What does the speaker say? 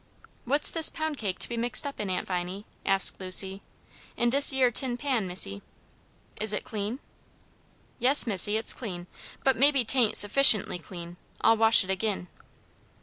"What's this pound cake to be mixed up in, Aunt Viney?" asked Lucy. "In dis yere tin pan, missy." "Is it clean?" "Yes, missy, it's clean; but maybe 'taint suffishently clean, I'll wash it agin."